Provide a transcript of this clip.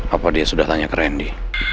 apa dia sudah tanya ke randy